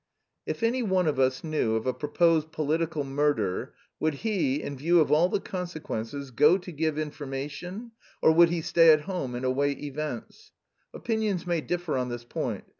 "If any one of us knew of a proposed political murder, would he, in view of all the consequences, go to give information, or would he stay at home and await events? Opinions may differ on this point.